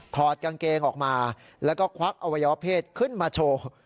ถอดกางเกงออกมาแล้วก็ควักอวัยวะเพศขึ้นมาโชว์